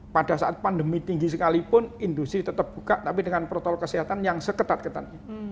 pada saat pandemi tinggi sekalipun industri tetap buka tapi dengan protokol kesehatan yang seketat ketat